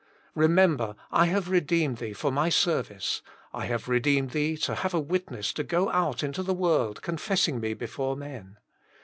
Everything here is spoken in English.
Remember, I have redeemed thee for My service; I have redeemed thee to have a witness to go out into the world confessing Me before men."